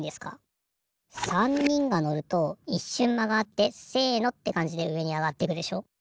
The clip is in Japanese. ３にんがのるといっしゅんまがあって「せの！」ってかんじでうえにあがっていくでしょ。